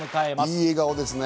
いい笑顔ですね。